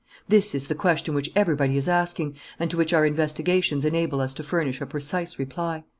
This is the question which everybody is asking and to which our investigations enable us to furnish a precise reply.